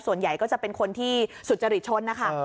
ส่วนใหญ่ก็จะเป็นคนที่สุจริตชนนะคะ